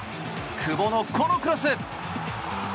久保のこのクロス！